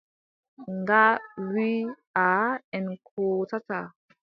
Nga wii: aaʼa en kootataa.